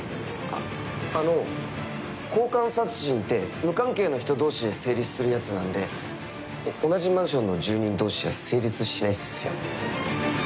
あの交換殺人って無関係の人同士で成立するやつなんで同じマンションの住人同士じゃ成立しないっすよ。